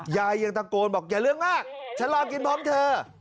ยังตะโกนบอกอย่าเรื่องมากฉันรอกินพร้อมเธอ